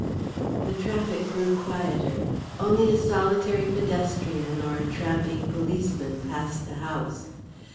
The traffic grew quieter, only a solitary pedestrian or a tramping policeman passed the house.